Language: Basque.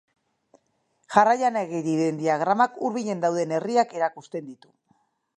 Jarraian ageri den diagramak hurbilen dauden herriak erakusten ditu.